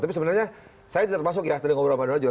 tapi sebenarnya saya tidak masuk ya tadi ngobrol sama donald juga